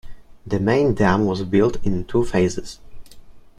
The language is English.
The main dam was built in two phases.